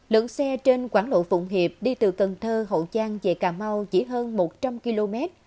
lượng xe trên quảng lộ phụng hiệp đi từ cần thơ hậu trang về cà mau chỉ hơn một trăm linh km